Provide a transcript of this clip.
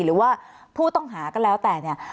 หรือว่าผู้ต้องหาก็แล้วแต่เนี่ย